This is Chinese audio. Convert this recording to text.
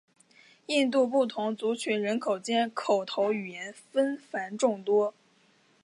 印度不同族群人口间口头语言纷繁众多。